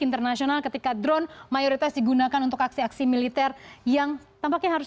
internasional ketika drone mayoritas digunakan untuk aksi aksi militer yang tampaknya harus